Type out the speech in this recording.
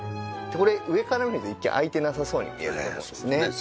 これ上から見ると一見空いてなさそうに見えると思うんですね。